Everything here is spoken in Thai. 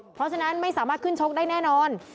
เพราะฉะนั้นไม่สามารถขึ้นชกได้แน่นอน